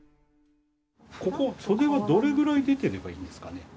ここ袖はどれぐらい出ていればいいですかね。